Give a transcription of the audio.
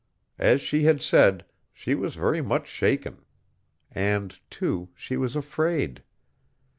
As she had said, she was very much shaken. And, too, she was afraid.